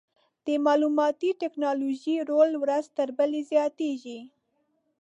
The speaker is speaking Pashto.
د معلوماتي ټکنالوژۍ رول ورځ تر بلې زیاتېږي.